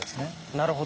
なるほど。